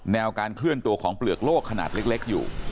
แนวการเคลื่อนตัวของเปลือกโลกขนาดเล็กอยู่